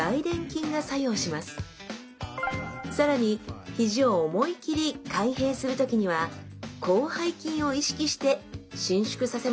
更にひじを思い切り開閉する時には広背筋を意識して伸縮させましょう。